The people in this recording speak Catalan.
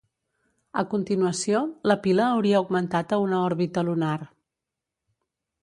A continuació, la pila hauria augmentat a una òrbita lunar.